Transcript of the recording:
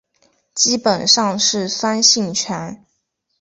基本上是酸性泉。